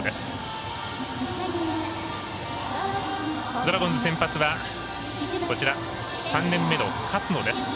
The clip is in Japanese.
ドラゴンズ先発は３年目の勝野です。